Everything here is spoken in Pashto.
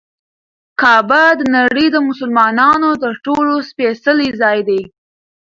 کعبه د نړۍ د مسلمانانو تر ټولو سپېڅلی ځای دی.